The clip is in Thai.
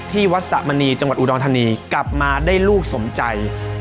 ที่วัดสะมณีจังหวัดอุดรธานีกลับมาได้ลูกสมใจ